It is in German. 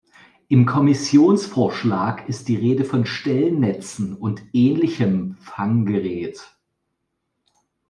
Im Kommissionsvorschlag ist die Rede von Stellnetzen und ähnlichem Fanggerät.